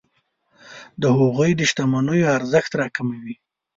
د هغوی د شتمنیو ارزښت راکموي.